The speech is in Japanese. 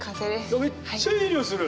いやめっちゃいい匂いする。